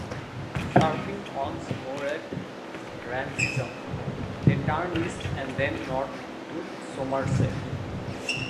Surfacing once more at Rampisham, they turn east and then north into Somerset.